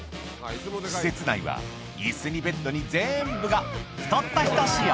施設内は、いすにベッドにぜーんぶが太った人仕様。